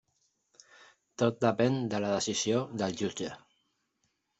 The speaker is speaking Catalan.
Tot depèn de la decisió del jutge.